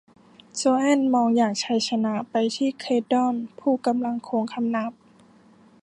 โจแอนมองอย่างชัยชนะไปที่เขลดอน ผู้กำลังโค้งคำนับ